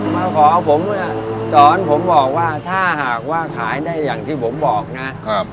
มาขอผมเนี่ยสอนผมบอกว่าถ้าหากว่าขายได้อย่างที่ผมบอกนะครับ